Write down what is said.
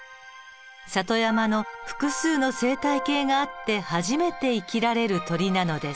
里山の複数の生態系があって初めて生きられる鳥なのです。